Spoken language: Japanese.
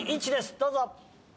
どうぞ。